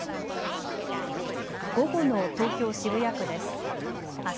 午後の東京渋谷区です。